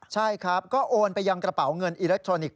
ใช่ครับก็โอนไปยังกระเป๋าเงินอิเล็กทรอนิกส